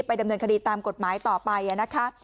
ดำเนินคดีตามกฎหมายต่อไปนะคะ